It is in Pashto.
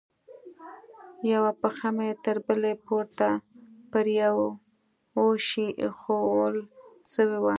يوه پښه مې تر بلې پورته پر يوه شي ايښوول سوې وه.